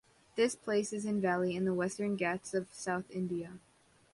This place is in valley in the Western Ghats of south India.